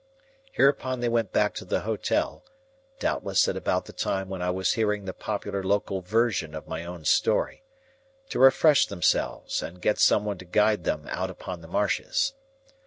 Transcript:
Hereupon they went back to the hotel (doubtless at about the time when I was hearing the popular local version of my own story) to refresh themselves and to get some one to guide them out upon the marshes.